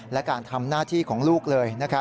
และการทำหน้าที่ของลูกเลย